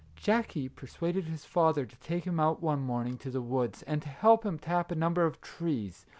Jackie per suaded his father to take him out one morning to the woods, and to help him tap a number of trees.